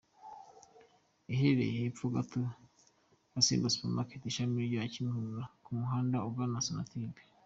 Iherereye hepfo gato na Simba Supermarket, Ishami ryo ku Kimihurura ku muhanda ugana Sonatubes.